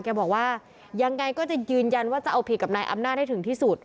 แกบอกว่ายังไงก็จะยืนยันว่าจะเอาผิดกับนายอำนาจให้ถึงที่สุด